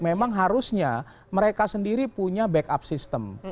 memang harusnya mereka sendiri punya backup sistem